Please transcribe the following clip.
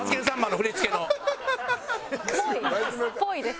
ぽいです。